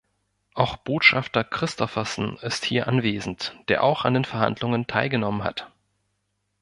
Auch Botschafter Christoffersen ist hier anwesend, der auch an den Verhandlungen teilgenommen hat.